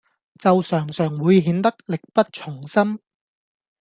就常常會顯得力不從心